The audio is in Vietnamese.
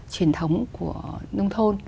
truyền thống của nông thôn